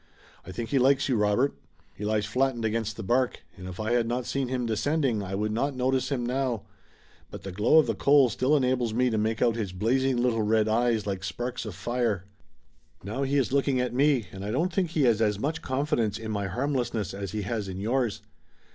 I think he likes you, Robert. He lies flattened against the bark, and if I had not seen him descending I would not notice him now, but the glow of the coals still enables me to make out his blazing little red eyes like sparks of fire. Now he is looking at me, and I don't think he has as much confidence in my harmlessness as he has in yours.